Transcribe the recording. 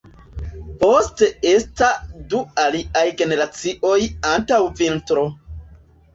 Poste esta du aliaj generacioj antaŭ vintro.